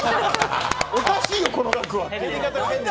おかしいよ、この額は！って。